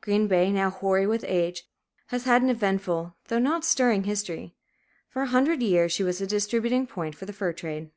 Green Bay, now hoary with age, has had an eventful, though not stirring history. For a hundred years she was a distributing point for the fur trade.